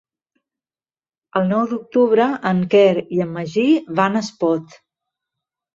El nou d'octubre en Quer i en Magí van a Espot.